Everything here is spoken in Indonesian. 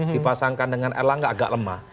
dipasangkan dengan erlangga agak lemah